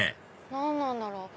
何なんだろう？